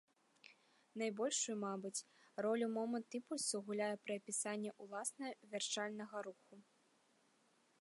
Найбольшую, мабыць, ролю момант імпульсу гуляе пры апісанні уласна вярчальнага руху.